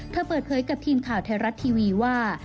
เปิดเผยกับทีมข่าวไทยรัฐทีวีว่า